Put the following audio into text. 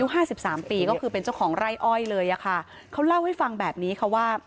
ห้าสิบสามปีก็คือเป็นเจ้าของไร่อ้อยเลยอะค่ะเขาเล่าให้ฟังแบบนี้ค่ะว่า